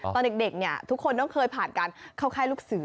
ตอนเด็กเนี่ยทุกคนต้องเคยผ่านการเข้าค่ายลูกเสือ